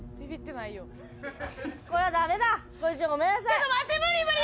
ちょっと待って無理無理！